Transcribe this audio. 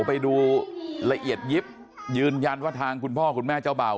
ไปดูละเอียดยิบยืนยันว่าทางคุณพ่อคุณแม่เจ้าเบา